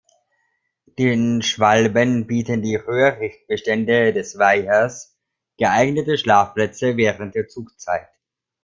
Den Schwalben bieten die Röhrichtbestände des Weihers geeignete Schlafplätze während der Zugzeit.